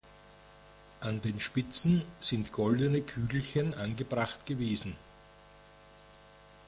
An den Spitzen sind goldene Kügelchen angebracht gewesen.